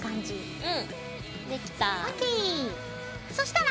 うん。